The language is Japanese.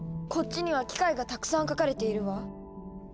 こっちには機械がたくさん描かれているわ。